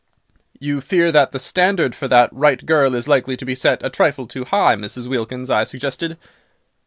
"You fear that the standard for that 'right girl' is likely to be set a trifle too high Mrs. Wilkins," I suggested.